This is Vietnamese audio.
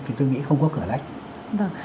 thì tôi nghĩ không có cửa lách